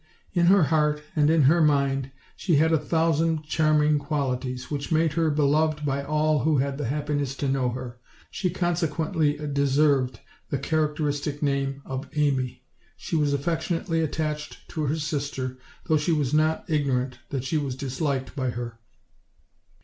In her heart and in her mind she had a thousand charming qual ities, which made her beloved by all who had the happi ness to know her; she consequently deserved the char acteristic name of Amy. She was affectionately attached to her sister, though she was not ignorant that she was disliked by her.